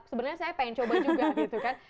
sebenarnya saya pengen coba juga gitu kan